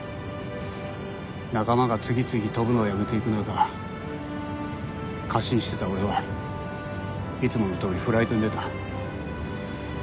仲間が次々飛ぶのをやめていく中過信してた俺はいつものとおりフライトに出た。